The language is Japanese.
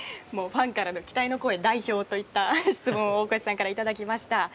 ファンからの期待の声代表といった質問を大越さんからいただきました。